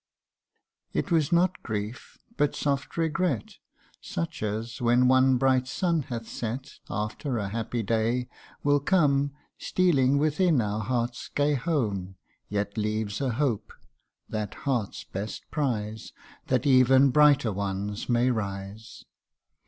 " It was not grief, but soft regret, Such as, when one bright sun hath set After a happy day, will come Stealing within our heart's gay home, Yet leaves a hope (that heart's best prize) That even brighter ones may rise.